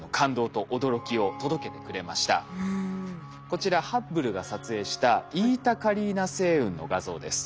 こちらハッブルが撮影したイータカリーナ星雲の画像です。